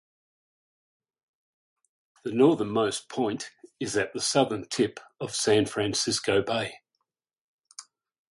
The northernmost point is at the southern tip of San Francisco Bay.